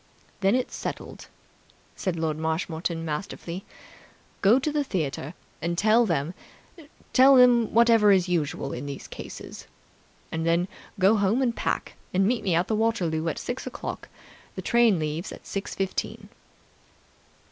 "That's settled, then," said Lord Marshmoreton masterfully. "Go to the theatre and tell them tell whatever is usual in these cases. And then go home and pack, and meet me at Waterloo at six o'clock. The train leaves at six fifteen."